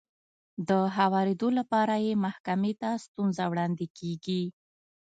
د هوارېدو لپاره يې محکمې ته ستونزه وړاندې کېږي.